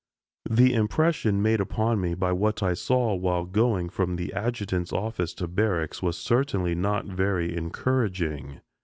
The impression made upon me by what I saw while going from the adjutant's office to barracks was certainly not very encouraging.